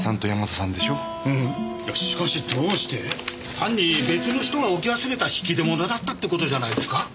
単に別の人が置き忘れた引き出物だったって事じゃないですか。